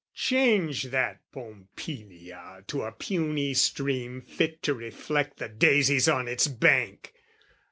Change that Pompilia to a puny stream Fit to reflect the daisies on its bank!